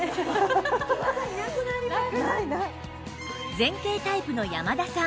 前傾タイプの山田さん